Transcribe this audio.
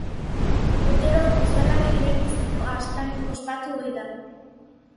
Urtero uztailaren lehenbiziko astean ospatu ohi da.